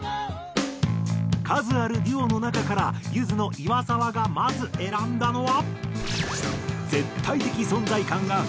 数あるデュオの中からゆずの岩沢がまず選んだのは。